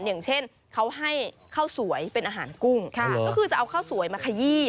อย่างเช่นเขาให้ข้าวสวยเป็นอาหารกุ้งก็คือจะเอาข้าวสวยมาขยี้